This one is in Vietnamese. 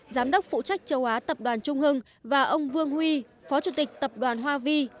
giám đốc phụ trách châu á tập đoàn trung hưng và ông vương huy phó chủ tịch tập đoàn hoa vi